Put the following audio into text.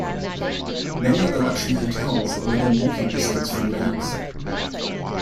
Many other luxury hotels are within walking distance from Lenox.